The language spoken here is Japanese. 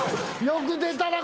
よく出たな